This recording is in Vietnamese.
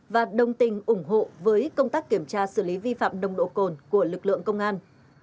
và đồng tình ủng hộ với công tác kiểm tra xử lý vi phạm nồng độ cồn của lực lượng công an